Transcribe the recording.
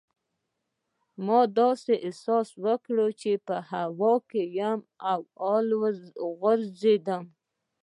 ما داسې احساس وکړل چې په هوا کې یم او ورو خوځېدم.